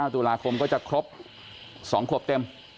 ตุลาคมก็จะครบ๒ขวบเต็ม